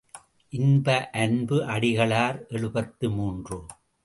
இன்ப அன்பு அடிகளார் எழுபத்து மூன்று.